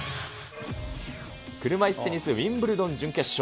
車いすテニスウィンブルドン準決勝。